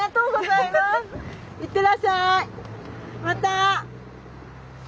また！